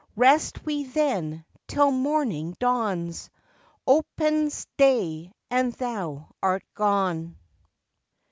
Rest we then 'till morn.ng dawns Opens day and thou art gone.